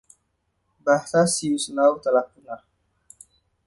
Bahasa Siuslaw telah punah.